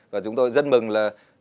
và chúng tôi rất mừng là